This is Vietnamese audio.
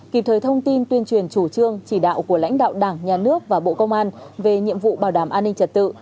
kịp thời thông tin tuyên truyền chủ trương chỉ đạo của lãnh đạo đảng nhà nước và bộ công an về nhiệm vụ bảo đảm an ninh trật tự